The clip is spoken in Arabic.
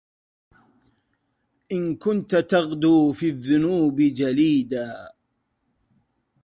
إن كنت تغدو في الذنوب جليداً